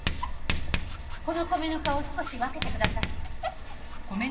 この米ぬかを少し分けてください。